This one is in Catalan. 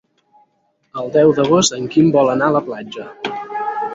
El deu d'agost en Quim vol anar a la platja.